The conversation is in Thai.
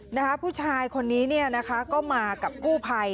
นะคะผู้ชายคนนี้เนี่ยนะคะก็มากับกู้ภัย